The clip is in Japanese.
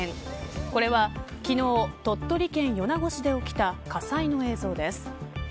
これは昨日、鳥取県米子市で起きた火災の映像です。